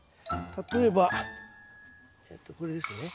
例えばえっとこれですね。